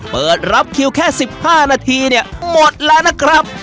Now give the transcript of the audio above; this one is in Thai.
เปิดรับคิวแค่๑๕นาทีเนี่ยหมดแล้วนะครับ